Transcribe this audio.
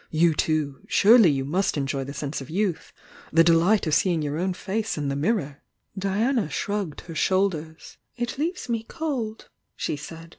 You too— surely you must enjoy the sense of youth— the delight of seeing your own face m the mirror 1 Diana shrugged her shoulders. "It leaves me cold!" she said.